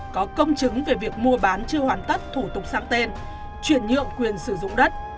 có công chứng về việc mua bán chưa hoàn tất thủ tục sang tên chuyển nhượng quyền sử dụng đất